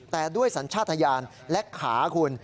แต่ด้วยสัญชาติทะยานและขาคุณ